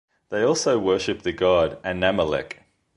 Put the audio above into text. They also worshipped the god Anamelech.